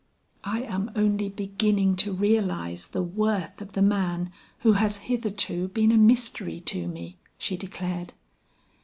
"I am only beginning to realize the worth of the man who has hitherto been a mystery to me," she declared.